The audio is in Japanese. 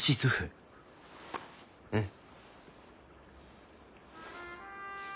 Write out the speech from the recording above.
うん。